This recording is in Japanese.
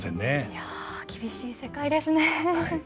いや厳しい世界ですね。